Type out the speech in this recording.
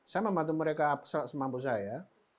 saya membantu mereka semampu saya